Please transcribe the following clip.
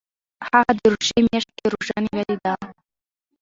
هغه د روژې میاشت کې روژه نیولې ده.